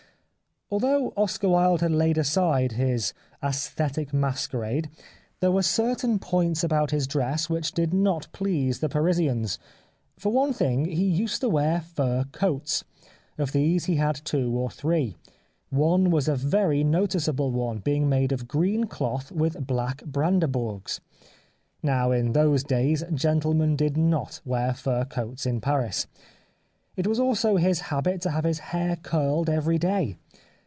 Although Oscar Wilde had laid aside his aesthetic masquerade there were certain points 232 The Life of Oscar Wilde about his dress which did not please the Parisians. For one thing he used to wear fur coats. Of these he had two or three. One was a very noticeable one, being made of green cloth with black hrandehourgs. Now, in those days gentlemen did not wear fur coats in Paris. It was also his habit to have his hair curled every day.